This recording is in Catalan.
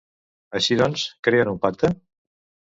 Així doncs, creen un pacte?